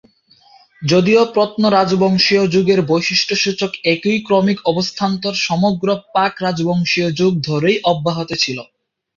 যদিও প্রত্ন-রাজবংশীয় যুগের বৈশিষ্ট্যসূচক একই ক্রমিক অবস্থান্তর সমগ্র প্রাক-রাজবংশীয় যুগ ধরেই অব্যাহত ছিল।